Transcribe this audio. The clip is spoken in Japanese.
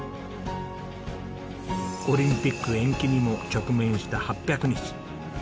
オリンピック延期にも直面した８００日。